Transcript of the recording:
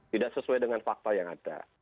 tidak sesuai dengan fakta yang ada